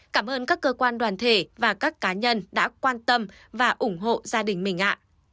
cảm ơn các cơ quan đoàn thể và các cá nhân đã quan tâm và ủng hộ gia đình mình